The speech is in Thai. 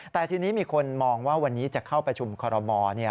แต่ทีนี้มีคนมองว่าวันนี้จะเข้าประชุมคอรมอล